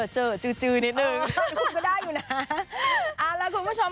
เจอจื้อนิดนึงแต่คุณก็ได้อยู่นะ